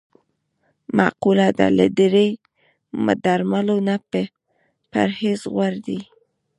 مقوله ده: له ډېری درملو نه پرهېز غور دی.